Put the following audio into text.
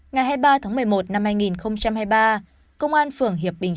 ngày hai mươi ba tháng một mươi một năm hai nghìn hai mươi ba công an phưởng hiệp bình